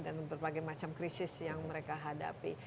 dan berbagai macam krisis yang mereka hadapi